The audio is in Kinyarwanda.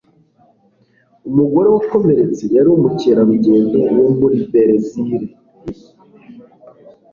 Umugore wakomeretse yari umukerarugendo wo muri Berezile.